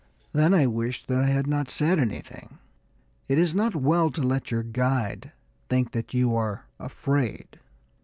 Then I wished that I had not said anything. It is not well to let your guide think that you are afraid.